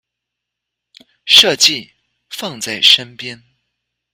設計放在身邊